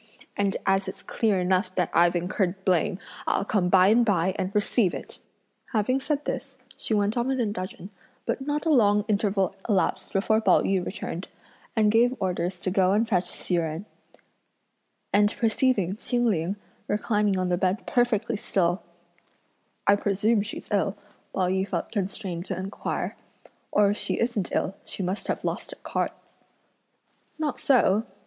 and as it's clear enough that I've incurred blame, I'll come by and by and receive it!" Having said this, she went off in a dudgeon, but not a long interval elapsed before Pao yü returned, and gave orders to go and fetch Hsi Jen; and perceiving Ching Ling reclining on the bed perfectly still: "I presume she's ill," Pao yü felt constrained to inquire, "or if she isn't ill, she must have lost at cards." "Not so!"